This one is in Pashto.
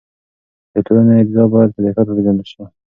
د ټولنې اجزا باید په دقت وپېژندل سي.